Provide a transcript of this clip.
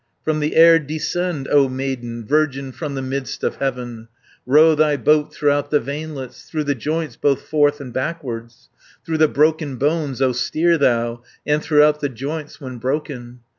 From the air descend, O maiden, Virgin from the midst of heaven, Row thy boat throughout the veinlets, Through the joints, both forth and backwards, Through the broken bones, O steer thou, And throughout the joints when broken.